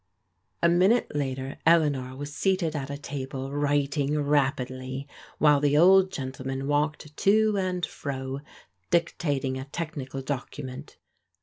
" A minute later Eleanor was seated at a table writing rapidly, while the old gentleman walked to and fro dictat ing a technical document.